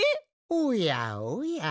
おやおや。